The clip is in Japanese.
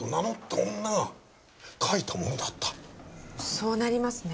そうなりますね。